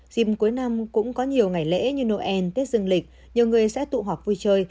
dịp cuối năm cũng có nhiều ngày lễ như noel tết dương lịch nhiều người sẽ tụ họp vui chơi